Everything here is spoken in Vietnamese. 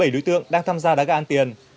hai mươi bảy đối tượng đang tham gia đá gà ăn tiền